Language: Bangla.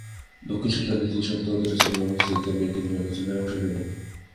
দক্ষিণ সুদানে তিন সপ্তাহ ধরে চলমান অস্থিরতা নিয়ে তিনি আলোচনায় অংশ নেবেন।